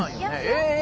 ええ！